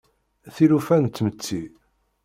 Tilufa n tmetti.